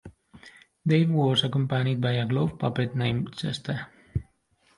Dave was accompanied by a glove puppet named Chester.